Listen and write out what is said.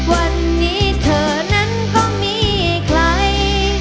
วันนี้เธอนั้นก็มีใคร